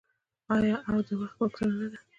آیا او د وخت غوښتنه نه ده؟